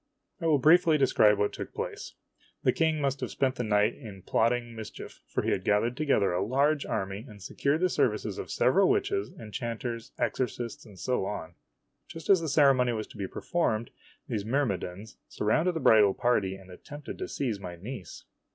I will briefly describe what took place. The King must have spent the night in plotting mischief, for he had gathered together a large army, and secured the services of several witches, enchanters, exorcists, and so on. Just as the ceremony was to be performed, these myrmidons surrounded the bridal party and attempted to seize my niece.